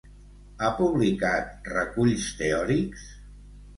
Ha publicat reculls teòrics?